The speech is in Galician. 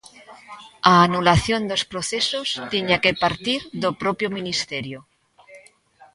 A anulación dos procesos tiña que partir do propio ministerio.